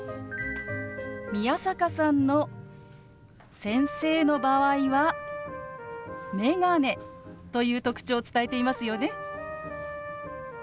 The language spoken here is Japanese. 宮坂さんの先生の場合は「メガネ」という特徴を伝えていますよね。